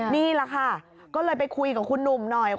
นี่แหละค่ะก็เลยไปคุยกับคุณหนุ่มหน่อย